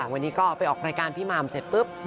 อเรนนี่ก็ไปออกรายการพี่มามเสร็จปุ๊บ